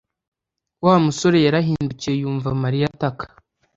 Wa musore yarahindukiye yumva Mariya ataka